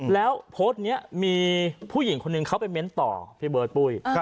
แล้วโพสต์นี้มีผู้หญิงคนหนึ่งเขาไปเม้นต่อพี่เบิร์ตปุ้ย